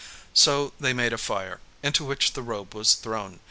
So they made a fire, into which the robe was thrown.